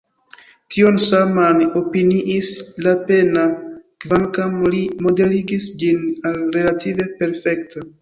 Tion saman opiniis Lapenna, kvankam li moderigis ĝin al “relative perfekta”.